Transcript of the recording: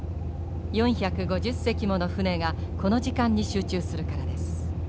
４５０隻もの船がこの時間に集中するからです。